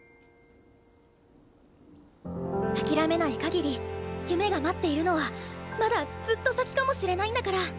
諦めないかぎり夢が待っているのはまだずっと先かもしれないんだから。